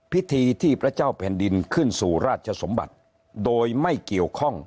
พิธีที่พระเจ้าแผ่นดินขึ้นสู่ราชสมบัติโดยไม่เกี่ยวข้อง